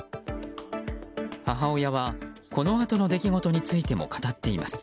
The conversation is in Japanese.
母親は、このあとの出来事についても語っています。